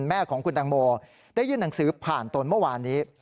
แม่ของคุณตังโมได้ยื่นหนังสือผ่านตนเมื่อวานนี้